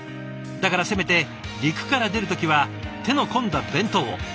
だからせめて陸から出る時は手の込んだ弁当を。